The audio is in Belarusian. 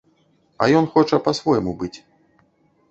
А ён хоча па-свойму быць.